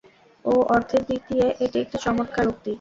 ও অর্থের দিক দিয়ে এটি একটি চমৎকার উক্তি।